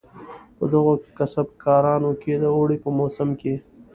په دغو کسبه کارانو کې د اوړي په موسم کې.